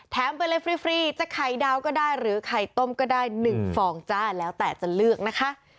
ไปเลยฟรีจะไข่ดาวก็ได้หรือไข่ต้มก็ได้๑ฟองจ้าแล้วแต่จะเลือกนะคะ